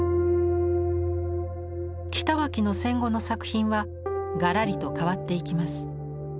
北脇の戦後の作品はがらりと変わっていきます。